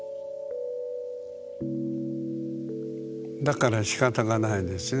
だからしかたがないですね。